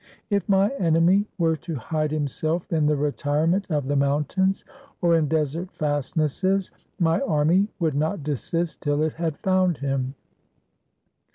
If my enemy were to hide himself in the retirement of the mountains or in desert fastnesses, my army would not desist till it had found him.